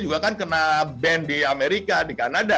juga kan kena band di amerika di kanada